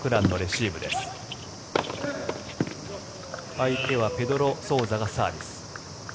相手はペドロ・ソウザがサービス。